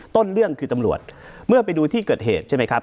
ต้นเรื่องคือตำรวจเมื่อไปดูที่เกิดเหตุใช่ไหมครับ